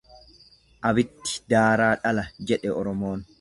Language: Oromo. Abiddi daaraa dhala jedha Oromoon.